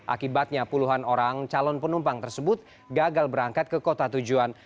akibatnya puluhan orang calon penumpang tersebut gagal berangkat ke kota tujuan